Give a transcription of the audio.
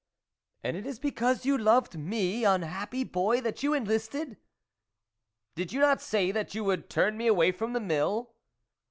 " And it is because you loved me, un happy boy ! that you enlisted ?"" Did you not say that you would turn me away from the mill